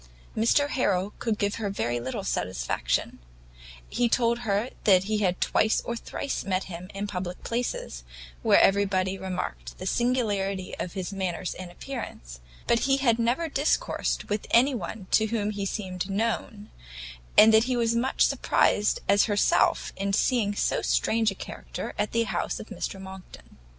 Mr Harrel could give her very little satisfaction: he told her that he had twice or thrice met him in public places, where everybody remarked the singularity of his manners and appearance, but that he had never discoursed with anyone to whom he seemed known; and that he was as much surprised as herself in seeing so strange a character at the house of Mr Monckton.